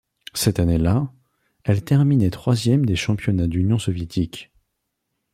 Cette année-là, elle terminait troisième des championnats d'Union soviétique.